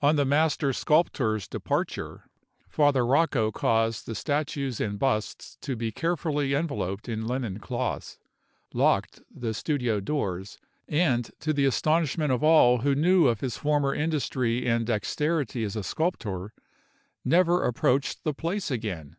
On the master sculptor's departure, Father Rocco caused the statues and busts to be carefully enveloped in linen cloths, locked the studio doors, and, to the astonishment of all who knew of his former industry and dexterity as a sculptor, never approached the place again.